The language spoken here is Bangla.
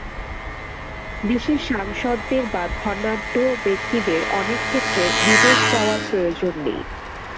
দেশের সাংসদদের বা ধনাঢ্য ব্যক্তিদের অনেক ক্ষেত্রে বিদেশ যাওয়ার প্রয়োজন নেই।